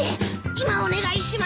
今お願いします。